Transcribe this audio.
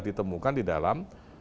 ditemukan di dalam